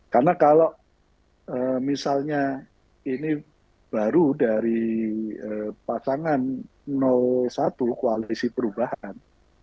karena kalau misalnya ini baru dari pasangan satu koalisi perubahan